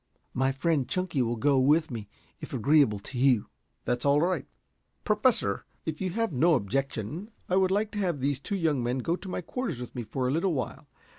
"My friend Chunky will go with me, if agreeable to you?" "That's all right. Professor, if you have no objection I should like to have these two young men go to my quarters with me for a little while.